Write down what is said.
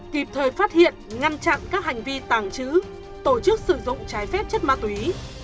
kịp thời phát hiện ngăn chặn các hành vi tàng trữ tổ chức sử dụng trái phép chất ma túy